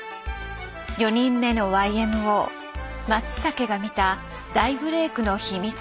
「４人目のＹＭＯ」松武が見た大ブレークの秘密とは。